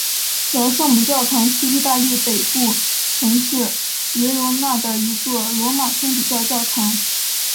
老圣母教堂是意大利北部城市维罗纳的一座罗马天主教教堂。